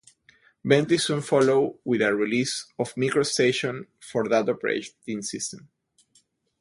Bentley soon followed with a release of MicroStation for that operating system.